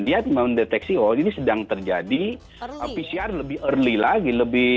dia mendeteksi oh ini sedang terjadi pcr lebih early lagi